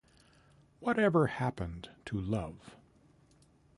Whatever Happened to Love?